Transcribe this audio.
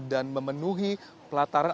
dan memenuhi pelataran